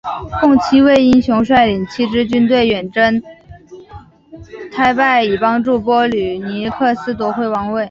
共七位英雄率领七支军队远征忒拜以帮助波吕尼克斯夺回王位。